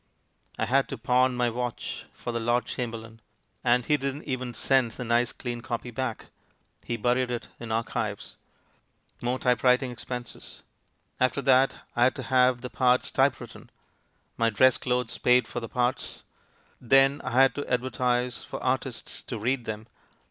I had to pawn my watch for the Lord Chamberlain. And he didn't even send the nice clean copy back — he buried it in archives. More typewriting ex penses ! After that I had to have the parts type written. My dress clothes paid for the parts. Then I had to advertise for artists to read them.